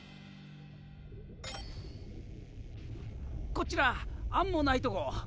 こちらアンモナイト号！